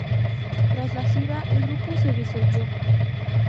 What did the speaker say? Tras la gira, el grupo se disolvió.